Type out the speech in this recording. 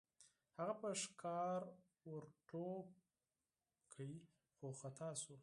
هغه په ښکار ور ټوپ کړ خو خطا شو.